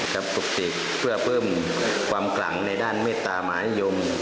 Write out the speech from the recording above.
ครับปฏิเสธเพื่อเพิ่มความกล่ำในด้านเมษตาหมายยม